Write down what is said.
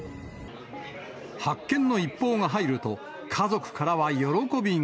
発見の一報が入ると、家族からは喜びが。